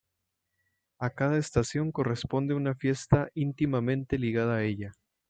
A cada estación corresponde una fiesta íntimamente ligada a ella.